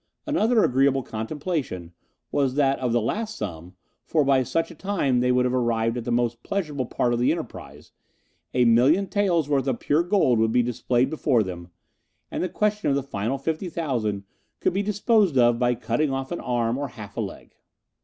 Another agreeable contemplation was that of the last sum, for by such a time they would have arrived at the most pleasurable part of the enterprise: a million taels' worth of pure gold would be displayed before them, and the question of the final fifty thousand could be disposed of by cutting off an arm or half a leg.